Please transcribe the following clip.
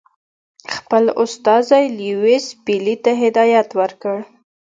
خپل استازي لیویس پیلي ته هدایت ورکړ.